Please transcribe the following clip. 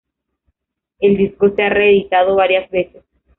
El disco se ha reeditado varias veces.